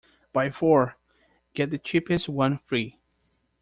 Buy four, get the cheapest one free.